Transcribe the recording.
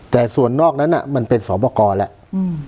แต่ส่วนนอกนั้นมันเป็นสอบประกอบแล้ว